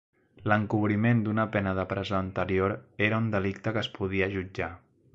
L'encobriment d'una pena de presó anterior era un delicte que es podia jutjar.